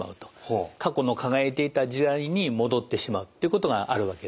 過去の輝いていた時代に戻ってしまうっていうことがあるわけですね。